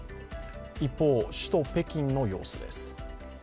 一方、首都・北京の様子です。